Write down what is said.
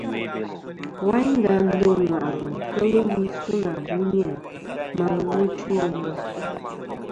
Wayndà dô ŋwàʼlɨ keli wi si na buni a ma ɨlvɨ ɨ chow meyn.